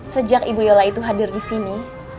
sejak ibu yola itu hadir di sini